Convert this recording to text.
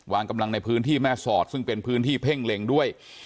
วางกำลังในพื้นที่แม่สอดซึ่งเป็นพื้นที่เพ่งเล็งด้วย